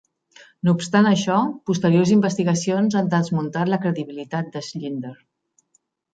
No obstant això, posteriors investigacions han desmuntat la credibilitat de Schindler.